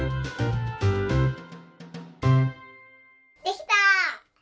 できた！